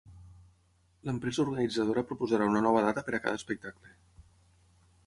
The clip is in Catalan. L'empresa organitzadora proposarà una nova data per a cada espectacle.